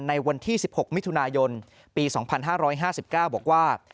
ในวันที่๑๖มิถุนายนปี๒๕๕๙บอกว่า